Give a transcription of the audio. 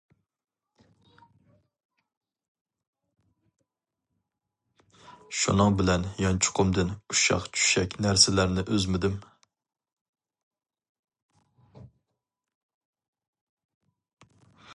شۇنىڭ بىلەن يانچۇقۇمدىن ئۇششاق-چۈششەك نەرسىلەرنى ئۈزمىدىم.